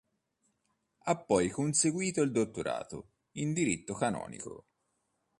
Ha poi conseguito il dottorato in diritto canonico.